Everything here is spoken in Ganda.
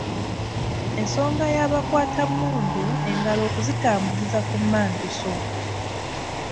Ensonga ya bakwatammundu engalo okuzitambuliza ku mmanduso